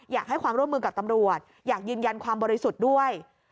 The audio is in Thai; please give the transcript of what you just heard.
อยากให้ความร่วมมือกับตำรวจอยากยืนยันความบริสุทธิ์ด้วย